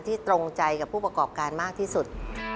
ตรงใจกับผู้ประกอบการมากที่สุด